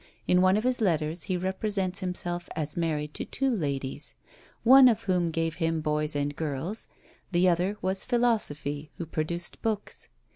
In one of his letters, he represents himself as married to two ladies; one of whom gave him boys and girls, the other was Philosophy, who produced books.